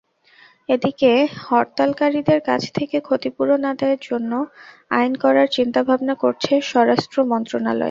এদিকে হরতালকারীদের কাছ থেকে ক্ষতিপূরণ আদায়ের জন্য আইন করার চিন্তাভাবনা করছে স্বরাষ্ট্র মন্ত্রণালয়।